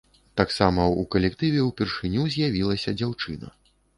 Таксама ў калектыве ўпершыню з'явілася дзяўчына.